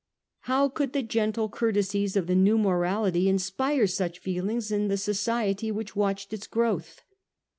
How could the gentle courtesies of the new morality inspire such feelings in the society which watched its growth?